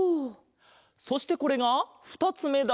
そしてこれがふたつめだ。